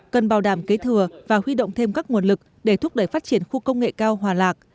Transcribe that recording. cần bảo đảm kế thừa và huy động thêm các nguồn lực để thúc đẩy phát triển khu công nghệ cao hòa lạc